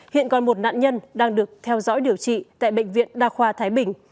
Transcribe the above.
hiện còn một nạn nhân đang được theo dõi điều trị tại bệnh viện đa khoa thái bình